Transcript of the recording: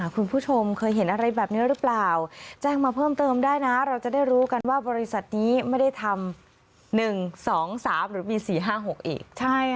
คุณผู้ชมเคยเห็นอะไรแบบนี้หรือเปล่าแจ้งมาเพิ่มเติมได้นะเราจะได้รู้กันว่าบริษัทนี้ไม่ได้ทำ๑๒๓หรือมี๔๕๖อีก